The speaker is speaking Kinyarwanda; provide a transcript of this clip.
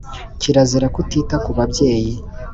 kirazira kutita kubabyeyi